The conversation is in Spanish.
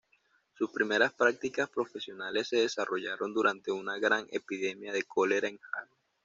Sus primeras prácticas profesionales se desarrollaron durante una gran epidemia de cólera en Halle.